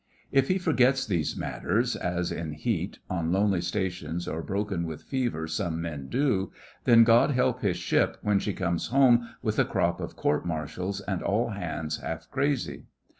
If he forgets these matters, as in heat, on lonely stations, or broken with fever some men do, then God help his ship when she comes home with a crop of Court martials and all hands half crazy!